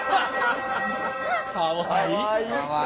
かわいい。